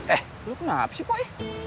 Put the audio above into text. eh lu kenapa sih kok ya